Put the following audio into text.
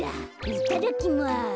いただきます。